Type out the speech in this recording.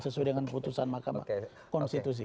sesuai dengan keputusan makam konstitusi